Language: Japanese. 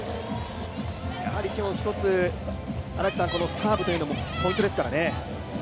今日１つ、サーブというのもポイントですからね。